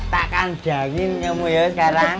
tak akan jangin kamu ya sekarang